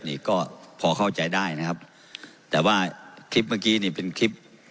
นี่ก็พอเข้าใจได้นะครับแต่ว่าคลิปเมื่อกี้นี่เป็นคลิป